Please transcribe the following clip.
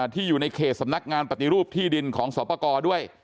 อยู่ในเขตสำนักงานปฏิรูปที่ดินของสอปกรด้วย